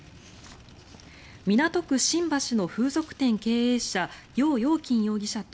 港区新橋の風俗店経営者ヨウ・ヨウキン容疑者と